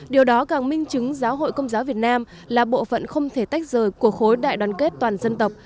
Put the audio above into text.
điều đó càng minh chứng giáo hội công giáo việt nam là bộ phận không thể tách rời của khối đại đoàn kết toàn dân tộc